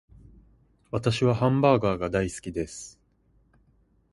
私はハンバーガーが大好きです